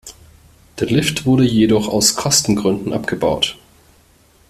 Der Lift wurde jedoch aus Kostengründen abgebaut.